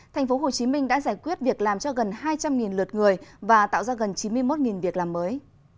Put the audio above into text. tp hcm đã giải quyết việc làm cho gần hai trăm linh lượt người và tạo ra gần chín mươi một việc làm mới